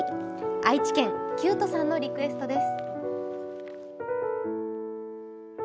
愛知県、キュートさんのリクエストです。